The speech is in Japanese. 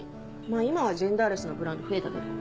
まぁ今はジェンダーレスなブランド増えたけど。